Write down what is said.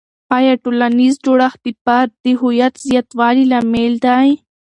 آیا ټولنیز جوړښت د فرد د هویت زیاتوالي لامل دی؟